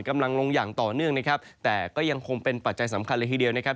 กำลังลงอย่างต่อเนื่องนะครับแต่ก็ยังคงเป็นปัจจัยสำคัญเลยทีเดียวนะครับ